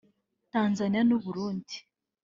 Tanzania n’u Burundi